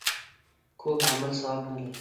کوږ عمل ثواب نه لري